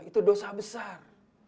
itu dosa besar